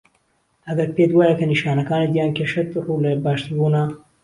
ئەگەر پێت وایه که نیشانەکانت یان کێشەکەت ڕوو له باشتربوونه